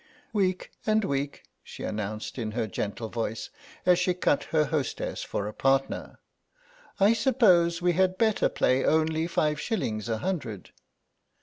"Weak and weak," she announced in her gentle voice, as she cut her hostess for a partner; "I suppose we had better play only five shillings a hundred."